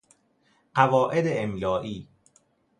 قواعد املائی